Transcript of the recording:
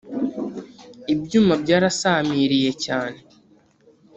Ibyuma byarasamiriye cyane